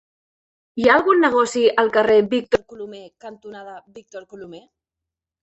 Hi ha algun negoci al carrer Víctor Colomer cantonada Víctor Colomer?